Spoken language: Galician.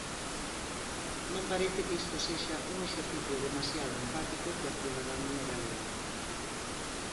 Non parece que isto sexa un exercicio demasiado empático coa cidadanía galega.